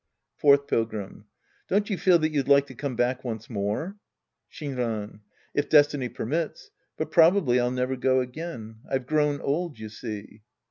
Fourth Pilgrim. Don't you feel that you'd like to come back once more ? Shinran. If destiny pemiits. But probably I'll never go again. I've grown old, you see.